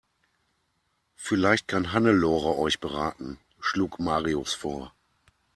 Vielleicht kann Hannelore euch beraten, schlug Marius vor.